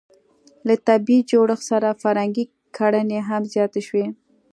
له دې طبیعي جوړښت سره فرهنګي کړنې هم زیاتې شوې.